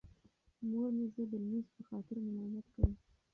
مور مې زه د لمونځ په خاطر ملامت کړم.